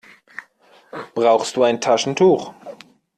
Brauchst du ein Taschentuch?